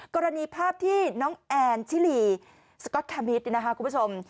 กรณีภาพที่น้องแอนชิลีสก๊อตคามิตนะคะคุณผู้ชม